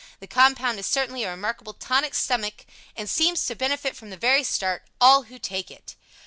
The compound is certainly a remarkable TONIC STOMACHIC and seems to benefit from the very start, all who take it.